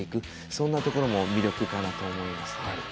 そんなところも魅力かなと思います。